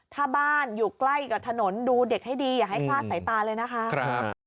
ถ้าบ้านอยู่ใกล้กับถนนดูเด็กให้ดีอย่าให้คลาดสายตาเลยนะคะ